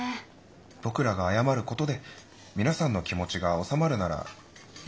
僕らが謝ることで皆さんの気持ちが収まるならいいと思いますけど。